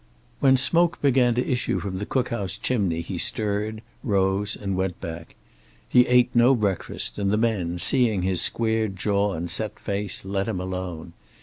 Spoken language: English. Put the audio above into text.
When smoke began to issue from the cook house chimney he stirred, rose and went back. He ate no breakfast, and the men, seeing his squared jaw and set face, let him alone.